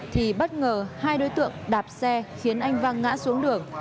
thì bất ngờ hai đối tượng đạp xe khiến anh văng ngã xuống đường